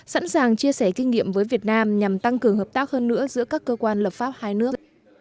sẵn sàng chia sẻ kinh nghiệm với việt nam nhằm tăng cường hợp tác hơn nữa giữa các cơ quan lập pháp hai nước